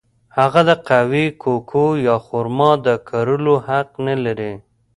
هغه د قهوې، کوکو یا خرما د کرلو حق نه لري.